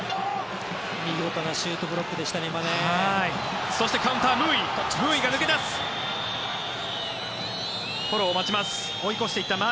見事なシュートブロックでしたね。